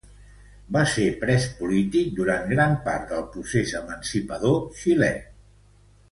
Va ser pres polític durant gran part del procés emancipador xilé.